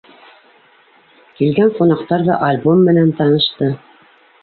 Килгән ҡунаҡтар ҙа альбом менән танышты.